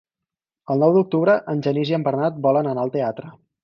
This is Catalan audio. El nou d'octubre en Genís i en Bernat volen anar al teatre.